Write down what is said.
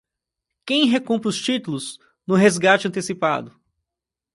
Quem recompra os títulos no resgate antecipado